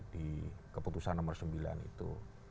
di keputusan nomor sembilan itu